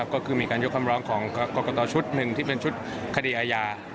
ก็คือมีการยกคำร้องของกรกตชุดหนึ่งที่เป็นชุดคดีอาญา